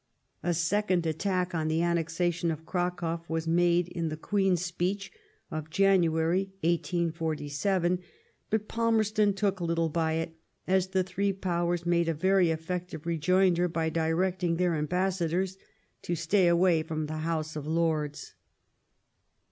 A second attack on the annexation of Cracow was made in the Queen's Speech of January 1847, but Palmerston took little by it, as the three Powers made a very effective rejoinder by directing their ambassadors to stay away from the House of Lords.